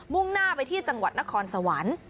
่งหน้าไปที่จังหวัดนครสวรรค์